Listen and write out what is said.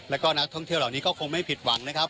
แล้วก็นักท่องเที่ยวเหล่านี้ก็คงไม่ผิดหวังนะครับ